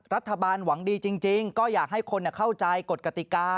รัฐบาลหวังดีจริงก็อยากให้คนเข้าใจกฎกติกา